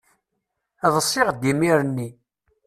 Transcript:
Ḍsiɣ-d imir-nni.